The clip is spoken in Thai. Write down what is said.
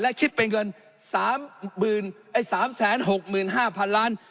และคิดเป็นเงินสามหมื่นไอ้สามแสนหกหมื่นห้าพันล้าน